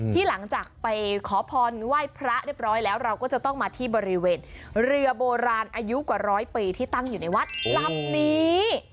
ที่หลังจากไปขอพรไหว้พระเรียบร้อยแล้วเราก็จะต้องมาที่บริเวณเรือโบราณอายุกว่าร้อยปีที่ตั้งอยู่ในวัดลำนี้